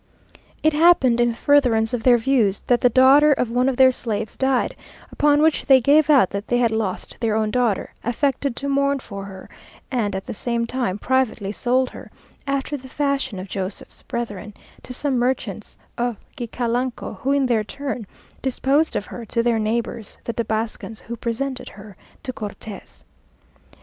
It happened, in furtherance of their views, that the daughter of one of their slaves died, upon which they gave out that they had lost their own daughter, affected to mourn for her, and, at the same time, privately sold her, after the fashion of Joséph's brethren, to some merchants of Gicalanco, who in their turn disposed of her to their neighbours, the Tabascans, who presented her to Cortes.